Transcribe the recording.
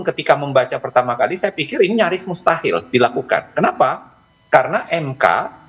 ketika membaca pertama kali saya pikir ini nyaris mustahil dilakukan kenapa karena mk